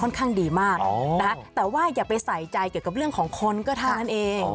ข้างดีมากแต่ว่าอย่าไปใส่ใจเกี่ยวกับเรื่องของคนก็เท่านั้นเอง